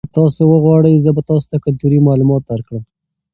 که تاسي وغواړئ زه به تاسو ته کلتوري معلومات درکړم.